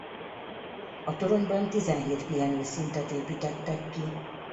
A toronyban tizenhét pihenő szintet építettek ki.